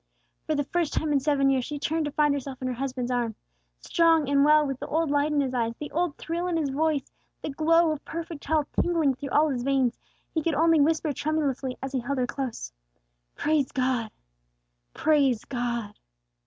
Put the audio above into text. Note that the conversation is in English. For the first time in seven years, she turned to find herself in her husband's arms. Strong and well, with the old light in his eyes, the old thrill in his voice, the glow of perfect health tingling through all his veins, he could only whisper tremulously, as he held her close, "Praise God! Praise God!"